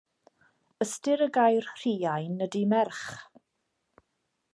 Ystyr y gair rhiain ydy merch.